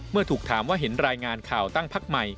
เมื่อถูกถามว่าเห็นรายงานข่าวตั้งพักใหม่